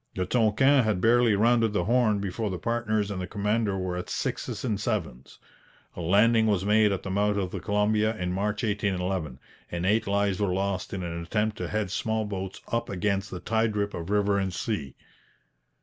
The Tonquin had barely rounded the Horn before the partners and the commander were at sixes and sevens. A landing was made at the mouth of the Columbia in March 1811, and eight lives were lost in an attempt to head small boats up against the tide rip of river and sea.